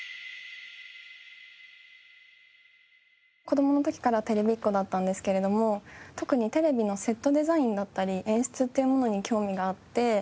子供の時からテレビっ子だったんですけれども特にテレビのセットデザインだったり演出っていうものに興味があって。